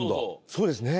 そうですね。